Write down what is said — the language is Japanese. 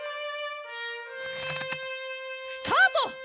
スタート！